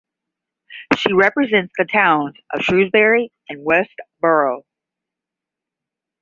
She represents the towns of Shrewsbury and Westborough.